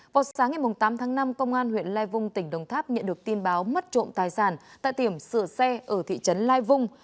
vào sáng ngày tám tháng năm công an huyện lai vung tỉnh đồng tháp nhận được tin báo mất trộm tài sản tại tiệm sửa xe ở thị trấn lai vung